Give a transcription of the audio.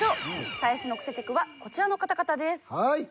最初のクセ客はこちらの方々です。